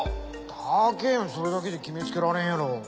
だけんそれだけできめつけられんやろ。